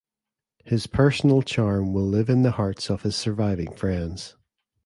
His personal charm will live in the hearts of his surviving friends.